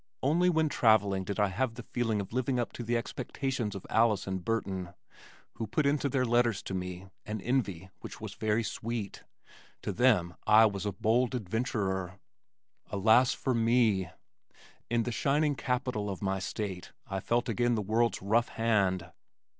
Only when travelling did I have the feeling of living up to the expectations of Alice and Burton who put into their letters to me, an envy which was very sweet. To them I was a bold adventurer! Alas for me! In the shining capital of my state I felt again the world's rough hand.